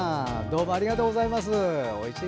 ありがとうございます。